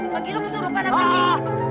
pak gino mau suruh panah pak gino